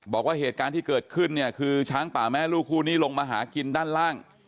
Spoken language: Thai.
บอกว่าเหตุการณ์ที่เกิดขึ้นเนี่ยคือช้างป่าแม่ลูกคู่นี้ลงมาหากินด้านล่าง